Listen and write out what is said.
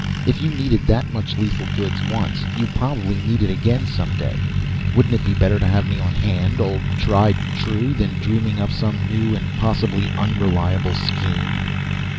If you needed that much lethal goods once, you'll probably need it again some day. Wouldn't it be better to have me on hand old tried and true than dreaming up some new and possibly unreliable scheme?"